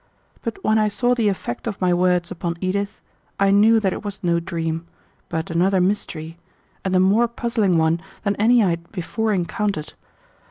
But when I saw the effect of my words upon Edith, I knew that it was no dream, but another mystery, and a more puzzling one than any I had before encountered.